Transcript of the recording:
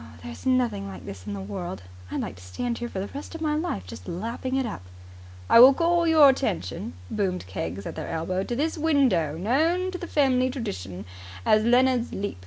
"There's nothing like this in the world. I'd like to stand here for the rest of my life, just lapping it up." "I will call your attention," boomed Keggs at their elbow, "to this window, known in the fem'ly tredition as Leonard's Leap.